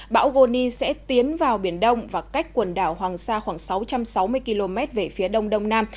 bão goni sẽ tiến vào biển đông và cách quần đảo hoàng sa khoảng sáu trăm sáu mươi km về phía đông đông nam